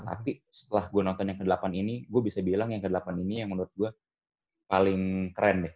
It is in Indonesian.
tapi setelah gue nonton yang ke delapan ini gue bisa bilang yang ke delapan ini yang menurut gue paling keren deh